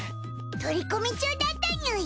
取り込み中だったにゅい。